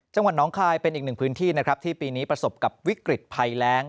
น้องคายเป็นอีกหนึ่งพื้นที่นะครับที่ปีนี้ประสบกับวิกฤตภัยแรง